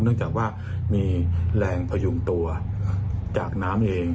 เนื่องจากว่ามีแรงพยุงตัวจากน้ำเอง